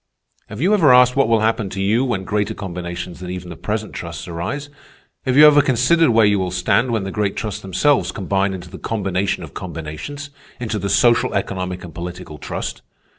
Have you ever asked what will happen to you when greater combinations than even the present trusts arise? Have you ever considered where you will stand when the great trusts themselves combine into the combination of combinations—into the social, economic, and political trust?"